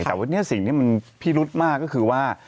แต่วันนี้สิ่งที่มันพิรุธมากก็คือว่า